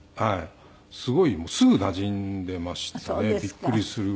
すごいもうすぐなじんでいましたねびっくりするぐらい。